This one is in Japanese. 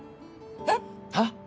えっ！はっ？